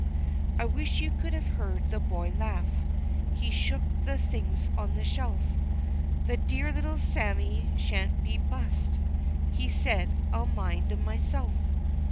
I wish you could have heard the boy laugh, He shook the things on the shelf, "The dear little mammie, shan't be 'bused" He said, "I'll mind 'em myself."